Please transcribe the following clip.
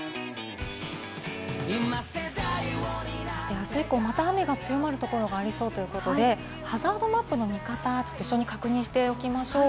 あす以降、また雨が強まるところがありそうということで、ハザードマップの見方、確認しておきましょう。